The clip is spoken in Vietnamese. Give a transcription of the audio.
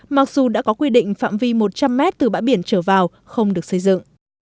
mặc dù đã có quy định phạm vi một trăm linh m từ bãi biển trở vào không được xây dựng